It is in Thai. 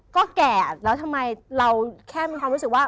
ก็แก่แล้วทำไมเราแค่มีความรู้สึกว่า